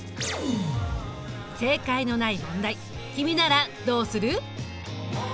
正解のない問題君ならどうする？